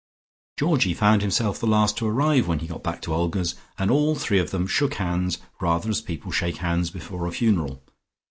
Georgie found himself the last to arrive, when he got back to Olga's and all three of them shook hands rather as people shake hands before a funeral.